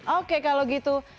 oke kalau gitu